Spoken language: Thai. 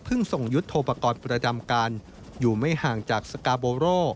เพิ่งส่งยุดโทปกรณ์ประจำการอยู่ไม่ห่างจากสกาโบโร